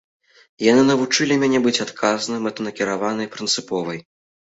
Яны навучылі мяне быць адказнай, мэтанакіраванай і прынцыповай.